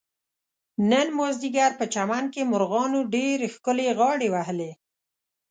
نن مازدیګر په چمن کې مرغانو ډېر ښکلې غاړې وهلې.